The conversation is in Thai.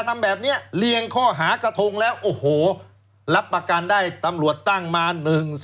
ทำแบบนี้เรียงข้อหากระทงแล้วโอ้โหรับประกันได้ตำรวจตั้งมา๑๒